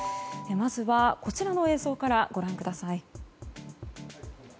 まず、こちらの映像からご覧ください。